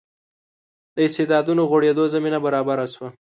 د استعدادونو غوړېدو زمینه برابره شوه.